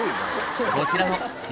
「こちらの」